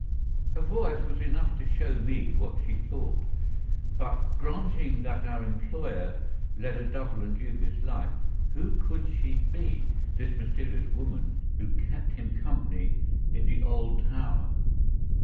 Her voice was enough to show me what she thought. But granting that our employer led a double and dubious life, who could she be, this mysterious woman who kept him company in the old tower?